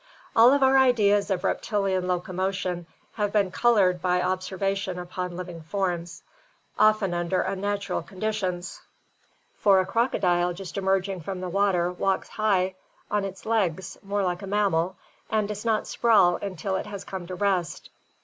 All of our ideas of reptilian locomotion have been colored by ob servation upon living forms, often under unnatural conditions, for a crocodile just emerging from the water walks high on its legs more like a mammal and does not sprawl until it has come to rest.